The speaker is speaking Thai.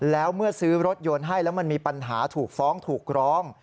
แล้วเมื่อซื้อรถยนต์ให้แล้วมันมีปัญหาถูกฟ้องถูกร้อง